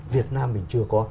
việt nam mình chưa có